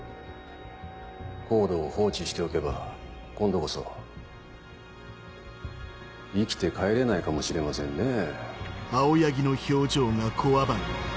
ＣＯＤＥを放置しておけば今度こそ生きて帰れないかもしれませんねぇ。